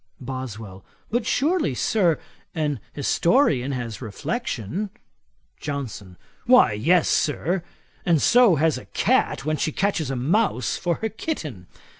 BOSWELL. 'But surely, Sir, an historian has reflection.' JOHNSON. 'Why yes, Sir; and so has a cat when she catches a mouse for her kitten.